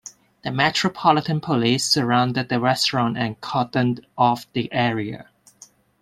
The Metropolitan Police surrounded the restaurant and cordoned off the area.